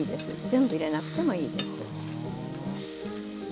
全部入れなくてもいいです。